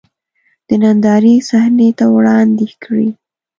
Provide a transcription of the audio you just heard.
د نندارې صحنې ته وړاندې کړي.